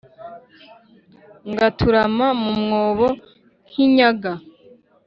ngaturama mu mwobo nk'inyaga